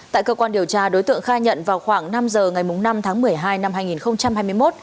tại cơ quan điều tra đối tượng khai nhận vào khoảng năm giờ ngày năm tháng một mươi hai năm hai nghìn hai mươi một